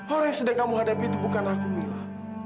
orang yang sedang kamu hadapi itu bukan aku mila